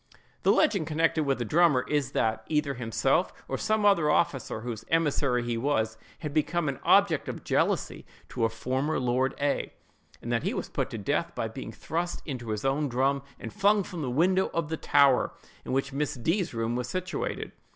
The legend connected with "the drummer" is, that either himself, or some officer whose emissary he was, had become an object of jealousy to a former Lord A——, and that he was put to death by being thrust into his own drum and flung from the window of the tower in which Miss D——'s room was situated.